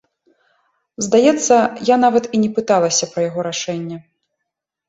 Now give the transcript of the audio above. Здаецца, я нават і не пыталася пра яго рашэнне.